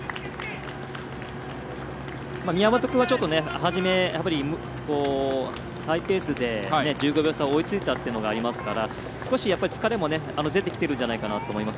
宮本君はちょっと、始めハイペースで１５秒差追いついたのがありますから少し疲れも出てきるんじゃないかなと思います。